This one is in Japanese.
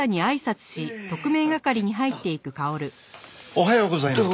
おはようございます。